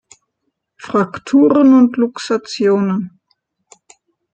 Frakturen und Luxationen.